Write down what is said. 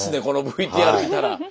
このＶＴＲ見たら。